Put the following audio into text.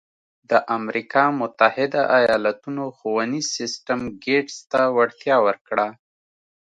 د امریکا متحده ایالتونو ښوونیز سیستم ګېټس ته وړتیا ورکړه.